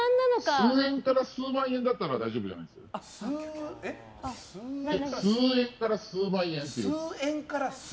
数円から数万円だったら大丈夫じゃないですか？